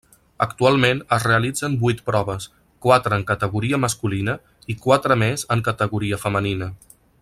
Actualment es realitzen vuit proves, quatre en categoria masculina i quatre més en categoria femenina.